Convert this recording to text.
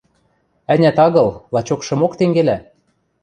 – Ӓнят агыл, лачокшымок тенгелӓ.